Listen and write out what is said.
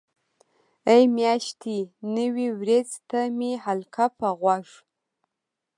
ای میاشتې نوې وریځ ته مې حلقه په غوږ.